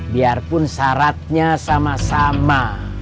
biarpun syaratnya sama sama